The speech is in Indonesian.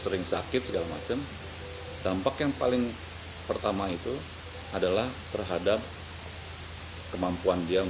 sering sakit segala macam dampak yang paling pertama itu adalah terhadap kemampuan dia